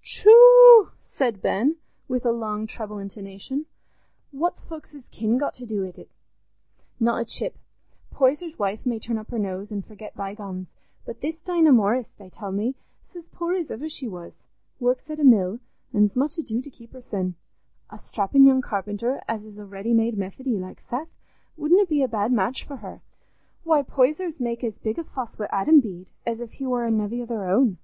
"Tchu!" said Ben, with a long treble intonation, "what's folks's kin got to do wi't? Not a chip. Poyser's wife may turn her nose up an' forget bygones, but this Dinah Morris, they tell me, 's as poor as iver she was—works at a mill, an's much ado to keep hersen. A strappin' young carpenter as is a ready made Methody, like Seth, wouldna be a bad match for her. Why, Poysers make as big a fuss wi' Adam Bede as if he war a nevvy o' their own."